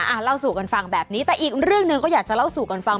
เล่าสู่กันฟังแบบนี้แต่อีกเรื่องหนึ่งก็อยากจะเล่าสู่กันฟัง